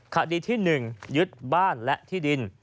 คดีที่๑ยึดบ้านและที่ดิน